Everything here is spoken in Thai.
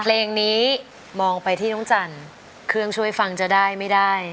เพลงนี้มองไปที่น้องจันทร์เครื่องช่วยฟังจะได้ไม่ได้